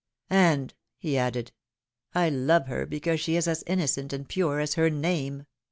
^^And,^^ he added, love her because she is as innocent and pure as her name